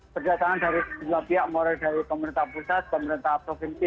berdasarkan dari semua pihak mulai dari pemerintah pusat pemerintah provinsi